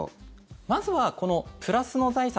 まずはプラスの財産